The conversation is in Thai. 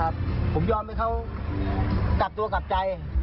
ผมยอมให้เขากักตัวกลับใจ